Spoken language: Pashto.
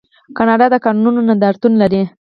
کاناډا د کانونو نندارتون لري.